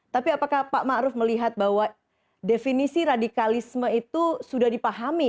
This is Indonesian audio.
tapi apakah pak ma'ruf melihat bahwa definisi radikalisme itu sudah dipahami